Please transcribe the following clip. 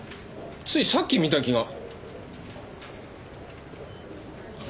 ついさっき見た気が。